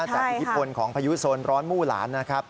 จากอีกฝนของพยุดศนร้อนมู่หลานนะครับ